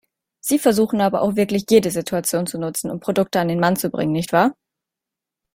Sie versuchen aber auch wirklich jede Situation zu nutzen, um Produkte an den Mann zu bringen, nicht wahr?